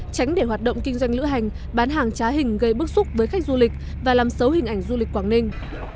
tránh để hoạt động kinh doanh lữ hành bán hàng trá hình gây bức xúc với khách du lịch và làm xấu hình ảnh du lịch quảng ninh